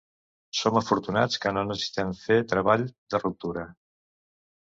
Som afortunats que no necessitem fer treball de ruptura.